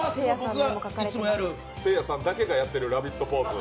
せいやさんだけがやっているラヴィッツポーズ。